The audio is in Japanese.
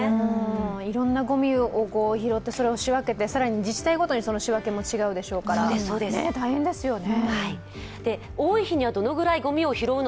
いろんなごみを拾ってそれを仕分けて更に自治体ごとに仕分けも違うでしょうから、大変ですよね。